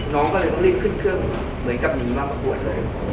น้องก็เลยต้องรีบขึ้นเครื่องเหมือนกับหนีมาประกวดเลย